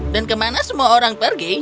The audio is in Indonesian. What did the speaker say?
dan kemana semua orang pergi